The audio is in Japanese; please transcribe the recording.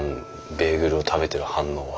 ベーグルを食べてる反応は？